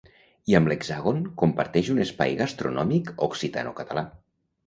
i amb l'Hexàgon comparteix un espai gastronòmic occitano-català